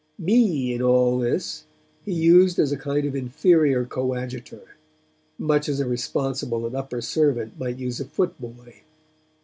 Me in all this he used as a kind of inferior coadjutor, much as a responsible and upper servant might use a footboy.